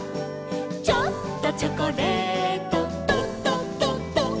「ちょっとチョコレート」「ドドドド」